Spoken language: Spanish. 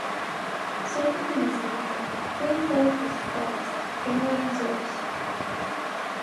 Sordo de nacimiento, fue educado por sus padres, que no eran sordos.